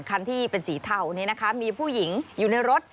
คันที่เป็นสีเทานี้นะคะมีผู้หญิงอยู่ในรถ